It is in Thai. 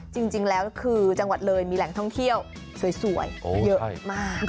จริงแล้วคือจังหวัดเลยมีแหล่งท่องเที่ยวสวยเยอะมาก